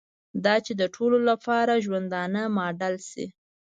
دا چې د ټولو لپاره ژوندانه ماډل شي.